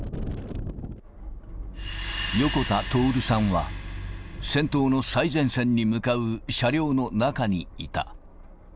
横田徹さんは、戦闘の最前線に向かう車両の中にいた。